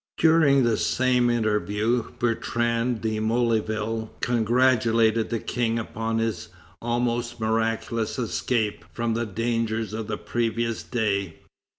During the same interview Bertrand de Molleville congratulated the King upon his almost miraculous escape from the dangers of the previous day.